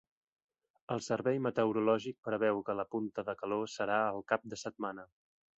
El servei meteorològic preveu que la punta de calor serà el cap de setmana.